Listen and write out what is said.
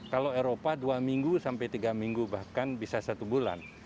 kalau eropa dua minggu sampai tiga minggu bahkan bisa satu bulan